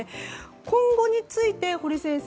今後について、堀先生